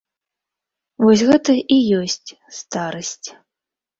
Вось гэта і ёсць старасць.